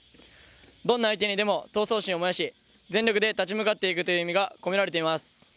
どんな相手にでも闘争心を燃やし全力で立ち向かっていくという意味が込められています。